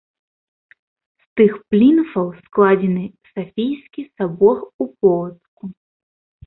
З тых плінфаў складзены Сафійскі сабор ў Полацку.